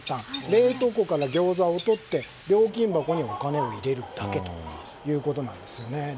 冷凍庫から餃子をとって料金箱にお金を入れるだけということなんです。